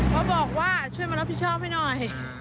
บอกว่าช่วยมารับผิดชอบให้หน่อย